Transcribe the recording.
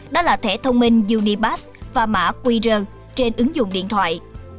đó là thẻ thông minh unibas và mã qr trên ứng dụng điện thoại